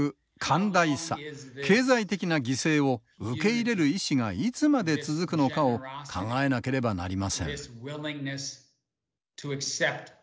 寛大さ経済的な犠牲を受け入れる意志がいつまで続くのかを考えなければなりません。